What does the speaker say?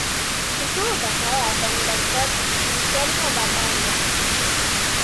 Estuvo casada con el actor Guillermo Battaglia.